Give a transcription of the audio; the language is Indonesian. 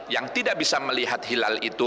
yang tidak bisa melihat hilal itu